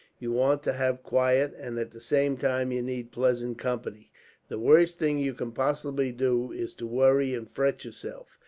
You want to have quiet, and at the same time you need pleasant company. The worst thing you can possibly do is to worry and fret yourself.